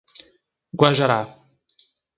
Guajará